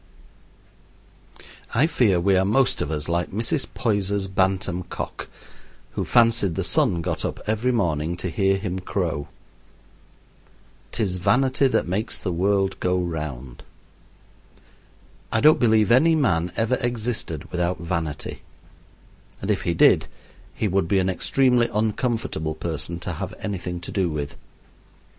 I fear we are most of us like Mrs. Poyser's bantam cock, who fancied the sun got up every morning to hear him crow. "'Tis vanity that makes the world go round." I don't believe any man ever existed without vanity, and if he did he would be an extremely uncomfortable person to have anything to do with.